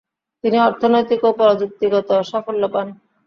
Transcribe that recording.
তিনি অর্থনৈতিক ও প্রযুক্তিগত সাফল্য পান।